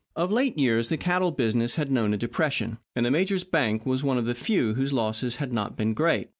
Of late years the cattle business had known a depression, and the major's bank was one of the few whose losses had not been great.